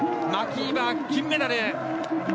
マキーバー、金メダル！